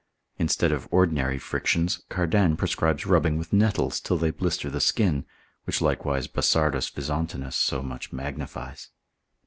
Instead of ordinary frictions, Cardan prescribes rubbing with nettles till they blister the skin, which likewise Basardus Visontinus so much magnifies.